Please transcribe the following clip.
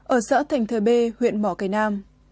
ở xã thành thời bê huyện mỏ cải nam